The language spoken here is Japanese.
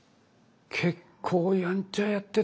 結構やんちゃやってたか。